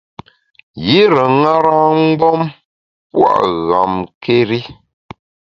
Yire ṅara-mgbom pua’ ghamkéri.